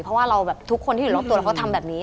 เพราะว่าเราแบบทุกคนที่อยู่รอบตัวแล้วเขาทำแบบนี้